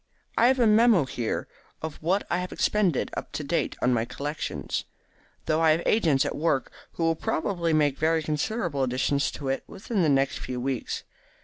I have a memo. here of what I have expended up to date on my collection, though I have agents at work who will probably make very considerable additions to it within the next few weeks.